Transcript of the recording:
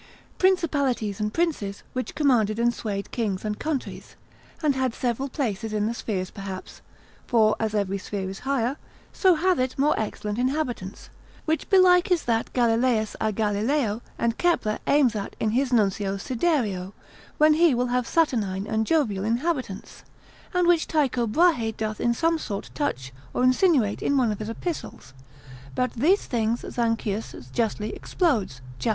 Principalities and princes, which commanded and swayed kings and countries; and had several places in the spheres perhaps, for as every sphere is higher, so hath it more excellent inhabitants: which belike is that Galilaeus a Galileo and Kepler aims at in his nuncio Syderio, when he will have Saturnine and Jovial inhabitants: and which Tycho Brahe doth in some sort touch or insinuate in one of his epistles: but these things Zanchius justly explodes, cap.